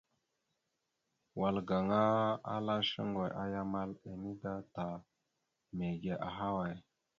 Wal gaŋa ala shuŋgo ya amal ene da ta, mege ahaway?